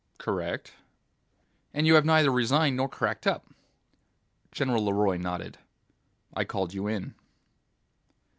"Correct." "And you have neither resigned nor cracked up." General LeRoy nodded. "I called you in."